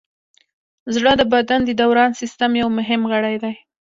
زړه د بدن د دوران سیستم یو مهم غړی دی.